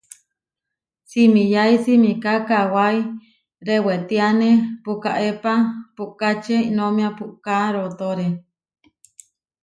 Simiyái simiká kawái rewétiane pukaépa puʼkáče Iʼnómia puʼká rootóre.